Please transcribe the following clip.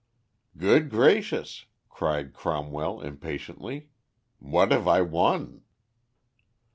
"Good gracious!" cried Cromwell, impatiently, "what have I won?"